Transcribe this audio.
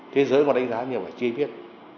thế giới còn đánh giá nhiều là chưa biết